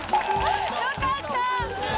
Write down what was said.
よかった！